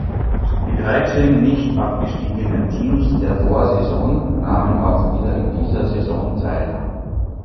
Die dreizehn nicht abgestiegenen Teams der Vorsaison nahmen auch wieder in dieser Saison teil.